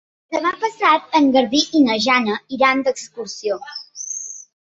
Demà passat en Garbí i na Jana iran d'excursió.